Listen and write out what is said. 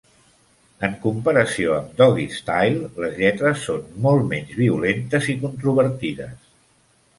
En comparació amb Doggystyle, les lletres són molt menys violentes i controvertides.